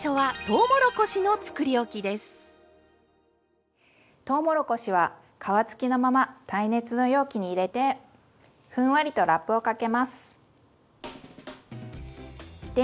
とうもろこしは皮付きのまま耐熱の容器に入れてふんわりとラップをかけます。